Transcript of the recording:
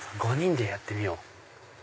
５人でやってみよう。